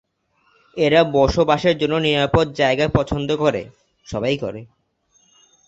এরা বসবাসের জন্য নিরাপদ জায়গা পছন্দ করে।